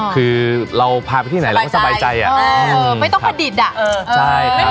คือเราพาไปที่ไหนแล้วก็สบายใจอะ